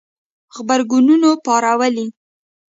غبرګونونه پارولي